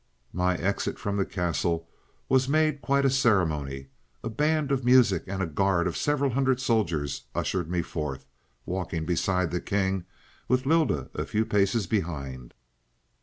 "My exit from the castle was made quite a ceremony. A band of music and a guard of several hundred soldiers ushered me forth, walking beside the king, with Lylda a few paces behind.